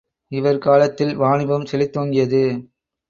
இவர் காலத்தில் வாணிபம் செழித்தோங்கியது.